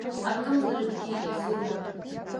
Акымзаракгьы изыруам.